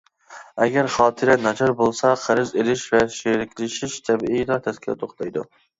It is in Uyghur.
ئەگەر خاتىرە ناچار بولسا، قەرز ئېلىش ۋە شېرىكلىشىش تەبىئىيلا تەسكە توختايدۇ.